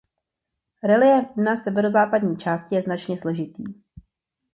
Reliéf dna severozápadní části je značně složitý.